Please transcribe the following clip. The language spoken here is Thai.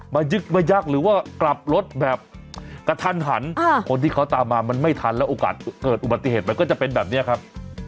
ยึกมายักษ์หรือว่ากลับรถแบบกระทันหันคนที่เขาตามมามันไม่ทันแล้วโอกาสเกิดอุบัติเหตุมันก็จะเป็นแบบนี้ครับ